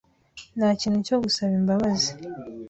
Nta kintu cyo gusaba imbabazi.